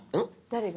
誰が？